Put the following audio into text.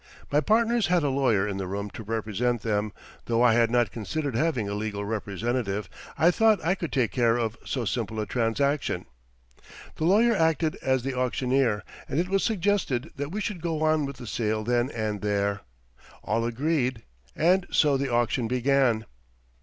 My partners had a lawyer in the room to represent them, though I had not considered having a legal representative; I thought I could take care of so simple a transaction. The lawyer acted as the auctioneer, and it was suggested that we should go on with the sale then and there. All agreed, and so the auction began.